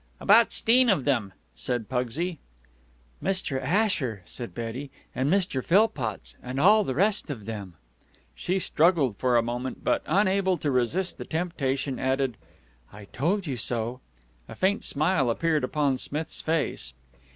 "About 'steen of dem!" said Pugsy. "Mr. Asher," said Betty, "and Mr. Philpotts, and all the rest of them." She struggled for a moment, but, unable to resist the temptation, added, "I told you so." A faint smile appeared upon Smith's face.